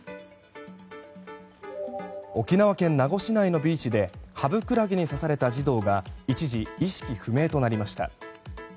沖縄県名護市内のビーチでハブクラゲに刺された児童が一時、意識不明となりました。